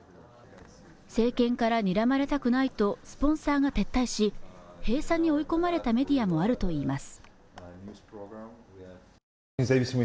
政権から睨まれたくないとスポンサーが撤退し閉鎖に追い込まれたメディアもあるといいます